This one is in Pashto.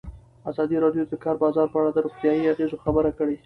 ازادي راډیو د د کار بازار په اړه د روغتیایي اغېزو خبره کړې.